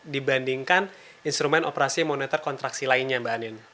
dibandingkan instrumen operasi moneter kontraksi lainnya mbak anin